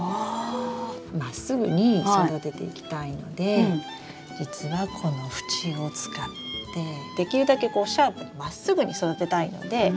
まっすぐに育てていきたいので実はこの縁を使ってできるだけシャープにまっすぐに育てたいので。